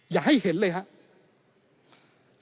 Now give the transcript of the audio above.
อย่าให้เห็นเลยครับ